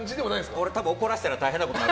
俺多分怒らせたら大変なことになる。